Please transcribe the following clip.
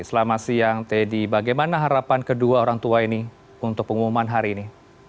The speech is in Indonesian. selamat siang teddy bagaimana harapan kedua orang tua ini untuk pengumuman hari ini